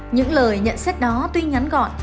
những lời nhận xét đó tuy nhắn gọn